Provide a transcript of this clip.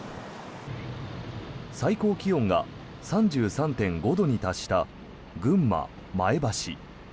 最高気温が３３．５度に達した群馬・前橋。